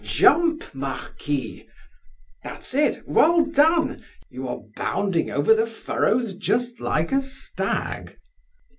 Jump, Marquis! That's it! Well done! You are bounding over the furrows just like a stag!"